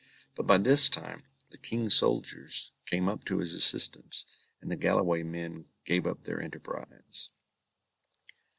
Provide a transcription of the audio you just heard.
But by this time the King's soldiers came up to his assistance, and the Galloway men gave up their enterprise.